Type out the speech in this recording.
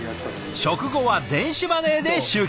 食後は電子マネーで集金。